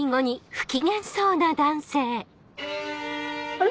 あれ？